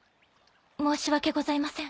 申し訳ございません